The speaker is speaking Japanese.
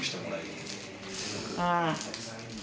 ああ。